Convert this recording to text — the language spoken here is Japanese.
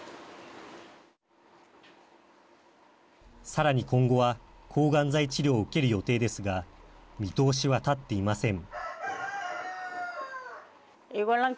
さらに今後は抗がん剤治療を受ける予定ですが見通しは立っていません。